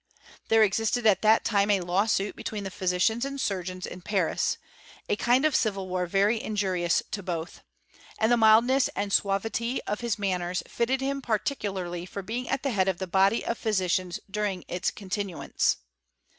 There existed at that time a lawsuit between the physicians and surgeons in Paris; a kind of civil war very injurious to both ; and the mildness and suavity of his mannen fitted him particularly for being at the head of the body of physicians during ila continuance.